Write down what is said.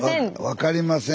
分かりません。